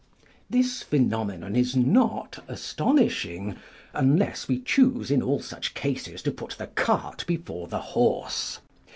This phenomenon is not astonishing, unless we choose in all such cases to put the cart before the horse.